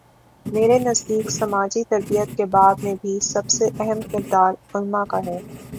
میرے نزدیک سماجی تربیت کے باب میں بھی سب سے اہم کردار علما کا ہے۔